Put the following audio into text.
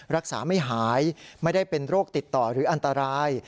รักษาไม่หายไม่ได้เป็นโรคติดต่อหรืออันตราย